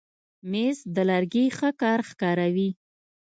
مېز د لرګي ښه کار ښکاروي.